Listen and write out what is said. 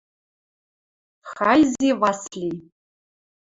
ХАЙЗИ ВАСЛИ